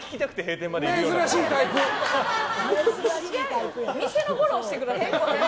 店のフォローしてください。